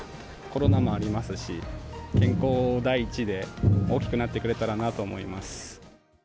コロナもありますし、健康第一で大きくなってくれたらなと思います。